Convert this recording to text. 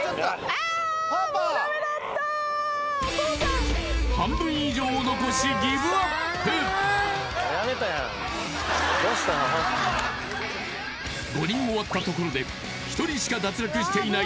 ああもうダメだったお父さん半分以上を残し５人終わったところで１人しか脱落していない